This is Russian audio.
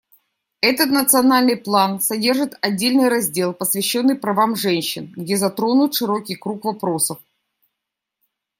Этот национальный план содержит отдельный раздел, посвященный правам женщин, где затронут широкий круг вопросов.